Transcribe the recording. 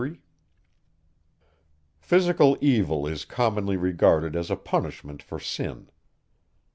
Physical evil is commonly regarded as a punishment for sin.